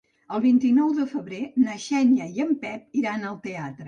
El vint-i-nou de febrer na Xènia i en Pep iran al teatre.